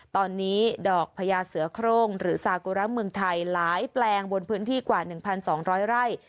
ตอนนี้ดอกพญาเสือโครงหรือซากุระเมืองไทยหลายแปลงบนพื้นที่กว่า๑๒๐๐ไร่